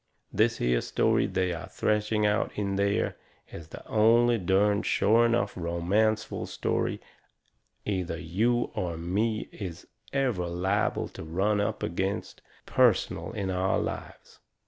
This here story they are thrashing out in there is the only derned sure enough romanceful story either you or me is ever lible to run up against personal in all our lives.